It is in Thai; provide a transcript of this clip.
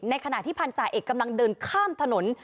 ขณะที่พันธาเอกกำลังเดินข้ามถนน